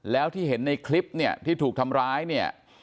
แล้วที่เห็นในคลิปเนี่ยที่ถูกทำร้ายเนี่ย